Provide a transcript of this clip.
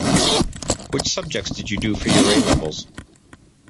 Which subjects did you do for your A-levels?